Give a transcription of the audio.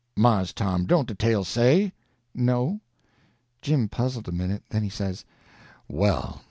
"Mars Tom, don't de tale say?" "No." Jim puzzled a minute, then he says: "Well!